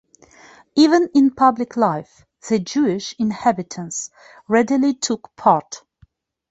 Even in public life, the Jewish inhabitants readily took part.